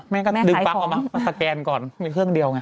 แม่ก็ดึงปั๊กออกมาสแกนก่อนมีเครื่องเดียวไง